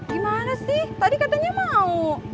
gimana sih tadi katanya mau